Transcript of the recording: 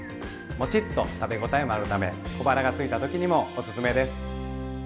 もちっと食べ応えもあるため小腹がすいた時にもおすすめです。